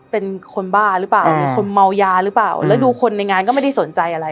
เป็นคนบ้าหรือเปล่ามีคนเมายาหรือเปล่าแล้วดูคนในงานก็ไม่ได้สนใจอะไร